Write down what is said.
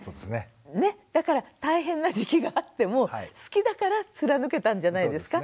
だから大変な時期があっても好きだから貫けたんじゃないですか？